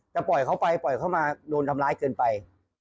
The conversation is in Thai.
ปล่อยเขาไปปล่อยเขามาโดนทำร้ายเกินไป